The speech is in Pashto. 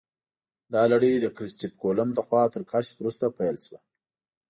دا لړۍ د کریسټف کولمب لخوا تر کشف وروسته پیل شوه.